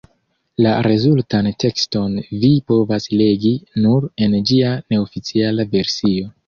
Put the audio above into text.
La rezultan tekston vi povas legi nur en ĝia neoficiala versio.